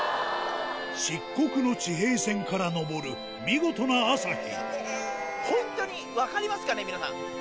漆黒の地平線から昇る見事な本当に分かりますかね、皆さん。